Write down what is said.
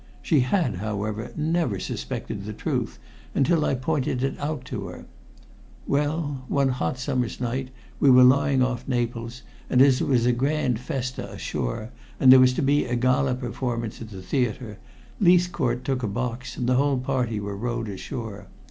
She had, however, never suspected the truth until I pointed it out to her. Well, one hot summer's night we were lying off Naples, and as it was a grand festa ashore and there was to be a gala performance at the theater, Leithcourt took a box and the whole party were rowed ashore.